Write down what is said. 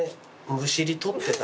むしり取ってた？